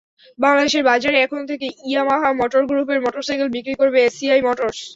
বাংলাদেশের বাজারে এখন থেকে ইয়ামাহা মোটর গ্রুপের মোটরসাইকেল বিক্রি করবে এসিআই মোটরস।